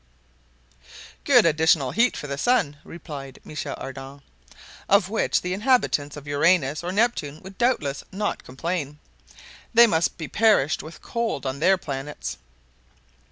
"Good additional heat for the sun," replied Michel Ardan, "of which the inhabitants of Uranus or Neptune would doubtless not complain; they must be perished with cold on their planets."